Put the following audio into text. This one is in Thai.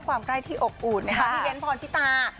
ความใกล้ที่อบอุ่นนะครับที่เว้นพรชิตา